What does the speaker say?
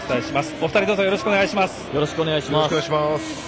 お二人どうぞよろしくお願いします。